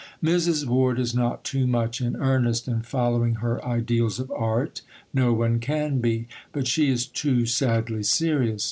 Mrs. Ward is not too much in earnest in following her ideals of art; no one can be. But she is too sadly serious.